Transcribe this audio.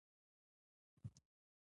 او کور کلي ته به صرف د چکر دپاره تللو ۔